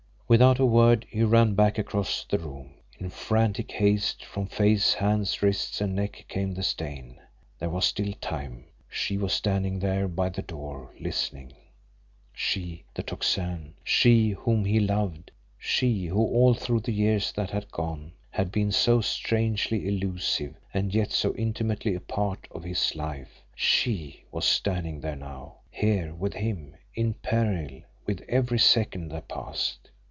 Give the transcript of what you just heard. Without a word, he ran back across the room. In frantic haste, from face, hands, wrists, and neck came the stain. There was still time. She was standing there by the door, listening. She, the Tocsin, she whom he loved, she who, all through the years that had gone, had been so strangely elusive and yet so intimately a part of his life, SHE was standing there now, here with him in peril with every second that passed!